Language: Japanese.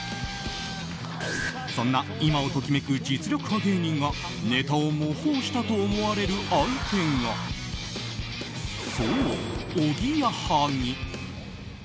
そんな、今を時めく実力派芸人がネタを模倣したと思われる相手がそう、おぎやはぎ。